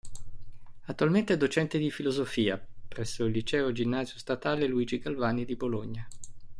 Attualmente è docente di filosofia presso il Liceo ginnasio statale Luigi Galvani di Bologna.